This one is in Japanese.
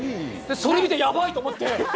それ見てヤバいと思って！